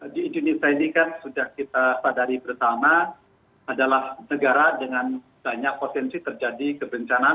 di indonesia ini kan sudah kita sadari bersama adalah negara dengan banyak potensi terjadi kebencanaan